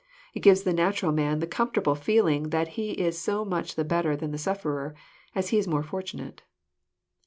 It gives the natural man the comfortable feeling that he is so much the better than the sufferer, as he is more fortunate."